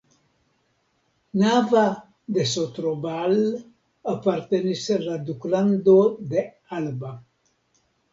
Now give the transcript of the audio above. Nava de Sotrobal apartenis al la Duklando de Alba.